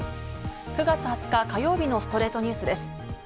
９月２０日、火曜日の『ストレイトニュース』です。